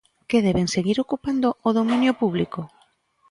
¿Que deben seguir ocupando o dominio público?